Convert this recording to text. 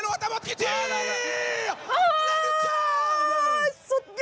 โอ้โฮสุดยอด